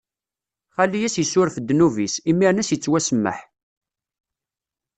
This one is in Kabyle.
Xali ad s-issuref ddnub-is, imiren ad s-ittwasemmeḥ.